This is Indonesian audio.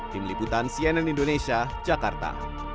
tim liputan cnn indonesia jakarta